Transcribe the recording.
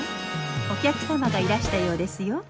お客様がいらしたようですよ。